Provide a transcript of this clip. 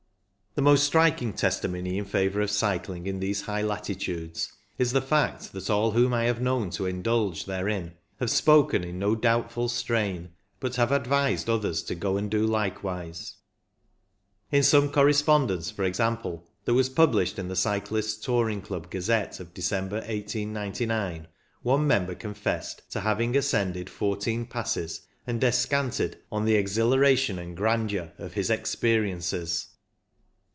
The most striking testimony in favour of cycling in these high latitudes is the fact that all whom I have known to indulge therein have spoken in no doubtful strain, but have advised others to go and do likewise. In some correspondence, for example, that was published in the Cyclists' Touring Club Gazette of December, 1899, one member confessed to having ascended fourteen passes, and descanted on the '* exhilaration and grandeur " of his experi 2i8 CYCLING IN THE ALPS ences.